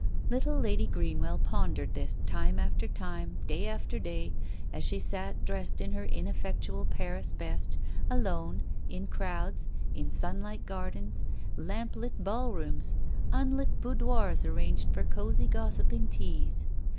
Little Lady Greenwell pondered this, time after time, day after day, as she sat dressed in her ineffectual Paris best, alone, in crowds, in sunlight gardens, lamp lit ball rooms, unlit boudoirs arranged for cosy gossiping teas.